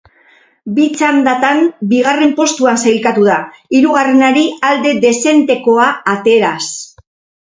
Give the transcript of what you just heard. Bi txandatan bigarren postuan sailkatu da, hirugarrenari alde dezentekoa ateraz.